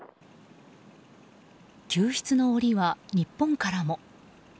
救出の祈りは、日本からも。